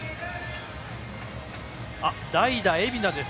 代打、蝦名です。